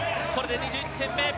これで２１点目。